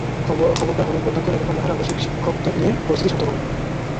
খবর পেয়ে হলের প্রাধ্যক্ষ নীলুফার নাহার আবাসিক শিক্ষকদের নিয়ে পরিস্থিতি শান্ত করেন।